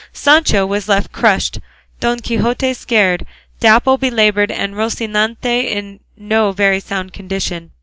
Sancho was left crushed, Don Quixote scared, Dapple belaboured and Rocinante in no very sound condition.